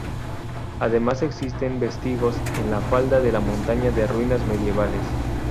Además existen vestigios en la falda de la montaña de ruinas medievales.